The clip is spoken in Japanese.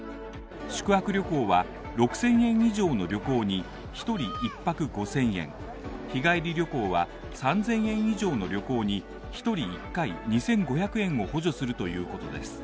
宿泊旅行は６０００円以上の旅行に１人１泊５０００円、日帰り旅行は３０００円以上の旅行に１人１回２５００円を補助するということです。